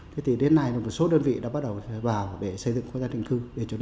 thế thì đến nay là một số đơn vị đã bắt đầu vào để xây dựng khu tái định cư